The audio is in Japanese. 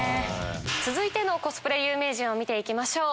続いてのコスプレ有名人を見て行きましょう！